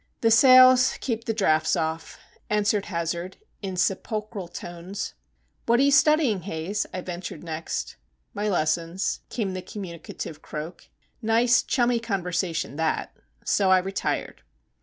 "The sails keep the draughts off," answered Hazard in sepulchral tones. "What are you studying, Haze?" I ventured next. "My lessons," came the communicative croak. Nice, chummy conversation that! So I retired.